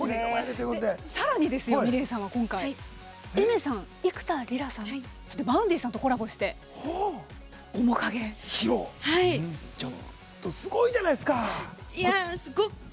さらにｍｉｌｅｔさんは今回Ａｉｍｅｒさん幾田りらさん、そしてＶａｕｎｄｙさんとコラボしてすごいじゃないですか！